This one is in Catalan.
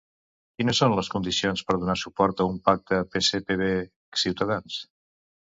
Quines són les condicions per donar suport a un pacte PSPV-Cs?